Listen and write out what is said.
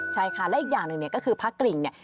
ใช่ค่ะและอีกอย่างหนึ่งเนี่ยก็คือพระกริ่งเนี่ย